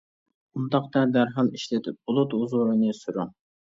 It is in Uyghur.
ئۇنداقتا دەرھال ئىشلىتىپ «بۇلۇت» ھۇزۇرىنى سۈرۈڭ.